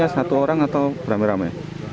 satu orang atau beramai ramai